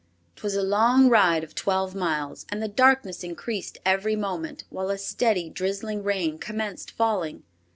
'Twas a long ride of twelve miles and the darkness increased every moment, while a steady, drizzling rain commenced falling.